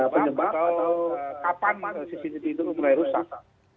tambah atau kapan cctv itu mulai rusak